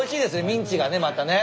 ミンチがねまたね。